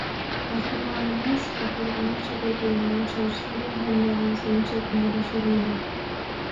Gahrymanymyz gapylary näçe görkezmäge çalyşsa-da hemmäň ünsüni çekmegi başarmady.